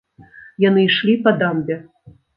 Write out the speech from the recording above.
Яны ішлі па дамбе.